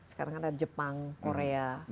sekarang ada jepang korea